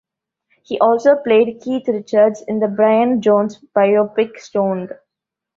He also played Keith Richards in the Brian Jones biopic "Stoned".